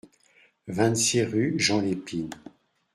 vingt-six rue Jean Lépine